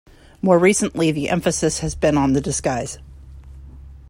More recently the emphasis has been on the disguise.